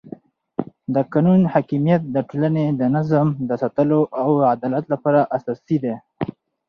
د قانون حاکمیت د ټولنې د نظم د ساتلو او عدالت لپاره اساسي دی